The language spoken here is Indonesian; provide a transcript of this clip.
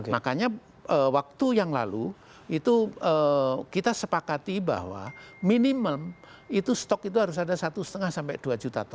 makanya waktu yang lalu itu kita sepakati bahwa minimum itu stok itu harus ada satu lima sampai dua juta ton